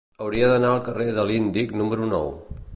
Hauria d'anar al carrer de l'Índic número nou.